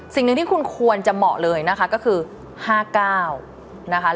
สิ่งหนึ่งที่คุณควรจะเหมาะเลยนะคะก็คือ๕๙นะคะ